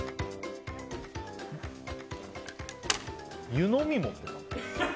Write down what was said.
湯呑み持ってた。